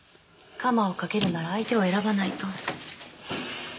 カマをかけるなら相手を選ばないと。